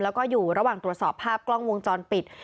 แล้วก็อยู่ระหว่างตรวจสอบภาพกล้องวงจรปิด